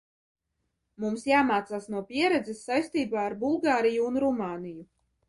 Mums jāmācās no pieredzes saistībā ar Bulgāriju un Rumāniju.